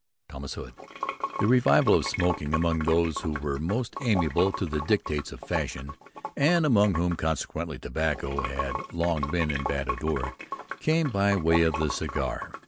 THOMAS HOOD. The revival of smoking among those who were most amenable to the dictates of fashion, and among whom consequently tobacco had long been in bad odour, came by way of the cigar.